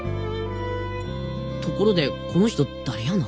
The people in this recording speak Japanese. ところでこの人誰やの？